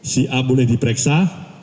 si a boleh diperiksa